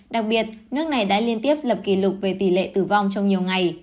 đặc biệt nước này đã liên tiếp lập kỷ lục về tỷ lệ tử vong trong nhiều ngày